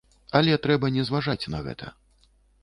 Але трэба не зважаць на гэта.